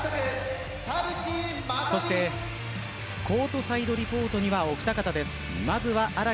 そしてコートサイドリポートにはお二方です。